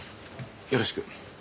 よろしく。